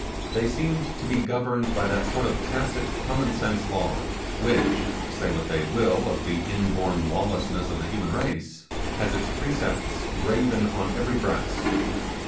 They seemed to be governed by that sort of tacit common sense law which, say what they will of the inborn lawlessness of the human race, has its precepts graven on every breast.